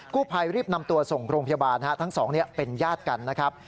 ผู้ภัยรีบนำตัวส่งโรงพยาบาลทั้งสองเป็นญาติกันนะครับ